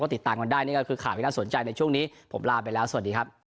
ติดตามกันได้นี่ก็คือข่าวที่น่าสนใจในช่วงนี้ผมลาไปแล้วสวัสดีครับ